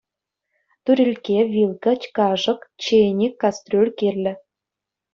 Турилкке, вилка, кашӑк, чейник, кастрюль кирлӗ.